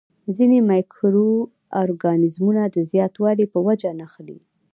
ځینې مایکرو ارګانیزمونه د زیاتوالي په وجه نښلي.